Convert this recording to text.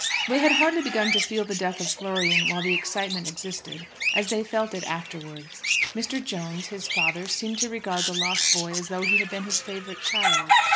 They had hardly begun to feel the death of Florian while the excitement existed as they felt it afterwards. Mr. Jones, his father, seemed to regard the lost boy as though he had been his favourite child.